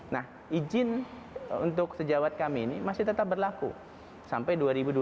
nah izin untuk sejawat kami ini masih tetap berlaku sampai dua ribu dua puluh